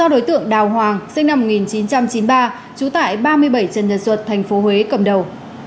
do đối tượng đào hoàng sinh năm một nghìn chín trăm chín mươi ba trú tại ba mươi bảy trần nhật duật tp huế cầm đầu